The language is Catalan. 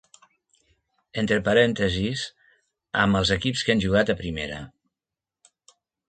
Entre parèntesis, amb els equips que han jugat a Primera.